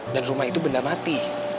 rumah itu benda mati